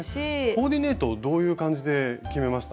コーディネートどういう感じで決めました？